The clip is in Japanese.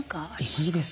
いいですね。